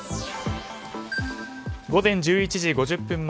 午前１１時５０分